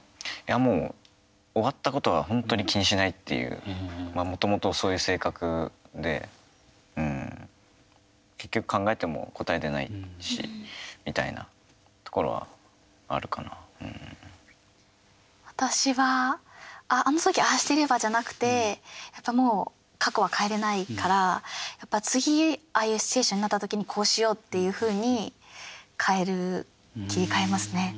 もう終わったことは本当に気にしないっていうもともと、そういう性格で結局考えても答え出ないし私は、あのときああしてればじゃなくてやっぱ、もう過去は変えれないからやっぱ次ああいうシチュエーションになったときにこうしようっていうふうに切り替えますね。